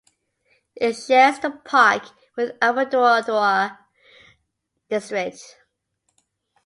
It shares the park with Alipurduar district.